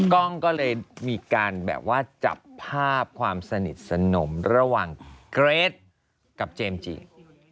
กล้องก็เลยมีการแบบว่าจับภาพความสนิทสนมระหว่างเกรทกับเจมส์จิ